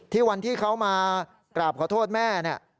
วันที่เขามากราบขอโทษแม่เนี่ย